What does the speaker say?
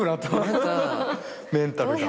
メンタルが。